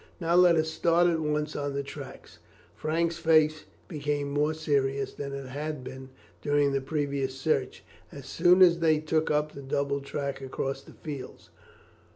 Now let us start at once on the tracks." Frank's face became more serious than it had been during the previous search, as soon as they took up the double track across the fields.